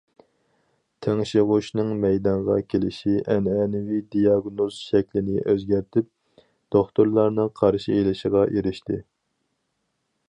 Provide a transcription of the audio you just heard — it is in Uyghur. تىڭشىغۇچنىڭ مەيدانغا كېلىشى ئەنئەنىۋى دىياگنوز شەكلىنى ئۆزگەرتىپ، دوختۇرلارنىڭ قارشى ئېلىشىغا ئېرىشتى.